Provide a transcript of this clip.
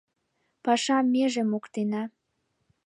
Пашам меже моктена: